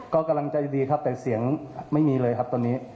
ก็กำลังใจดีครับแต่เสียงไม่มีเลยครับตอนนี้